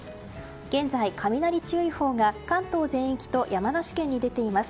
現在、雷注意報が関東全域と山梨県に出ています。